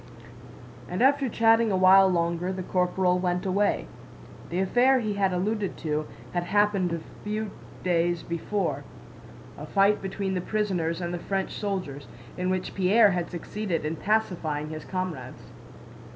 And after chatting a while longer, the corporal went away. (The affair he had alluded to had happened a few days before—a fight between the prisoners and the French soldiers, in which Pierre had succeeded in pacifying his comrades.)